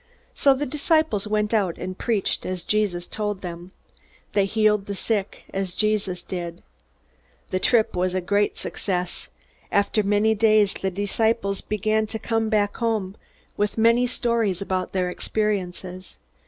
So the disciples went out and preached as Jesus told them. They healed the sick, as Jesus did. The trip was a great success. After many days the disciples began to come back home, with many stories about their experiences.